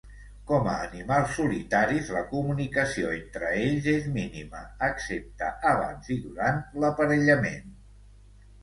Com a animals solitaris, la comunicació entre ells és mínima, excepte abans i durant l'aparellament.